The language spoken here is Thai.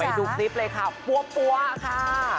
ไปดูคลิปเลยค่ะปั๊วค่ะ